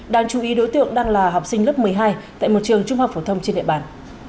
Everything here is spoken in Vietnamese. đáng chú ý đối tượng đang là học sinh lớp một mươi hai tại một trường trung học phổ thông trên địa bàn